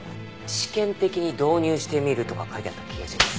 試験的に導入してみるとか書いてあった気がします。